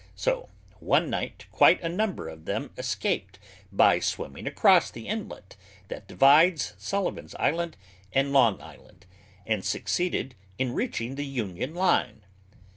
So one night quite a number of them escaped by swimming across the inlet that divides Sullivan's Island and Long Island, and succeeded in reaching the Union line.